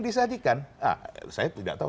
disajikan saya tidak tahu